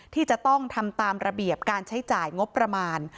ที่จะต้องทำตามระเบียบการใช้จ่ายงบประมาณ